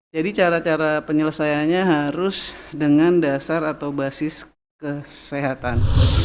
jadi cara cara penyelesaiannya harus dengan dasar atau basis kesehatan